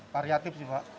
variatif sih pak